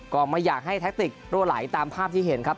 ก็ไม่อยากให้แท็กติกรั่วไหลตามภาพที่เห็นครับ